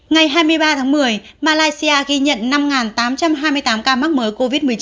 ngày hai mươi ba tháng một mươi malaysia ghi nhận năm tám trăm hai mươi tám ca mắc mới covid một mươi chín